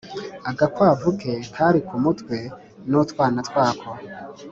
agakwavu ke kari kumwe n’utwana twako.